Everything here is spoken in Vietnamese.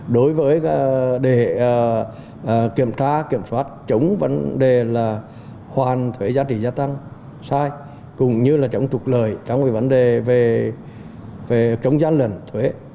đối với các đề hệ